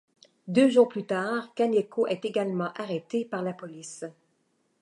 Deux jours plus tard, Kaneko est également arrêtée par la police.